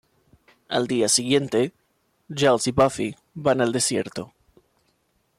Al día siguiente, Giles y Buffy van al desierto.